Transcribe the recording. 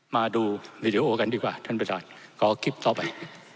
มาดูวีดีโอกันดีกว่าท่านประธานขอคลิปต่อไป